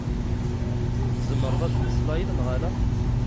Tzemreḍ ad mmeslayeḍ neɣ ala?